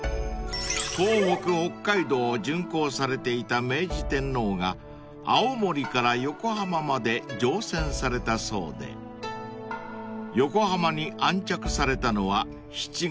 東北北海道を巡幸されていた明治天皇が青森から横浜まで乗船されたそうで横浜に安着されたのは７月２０日］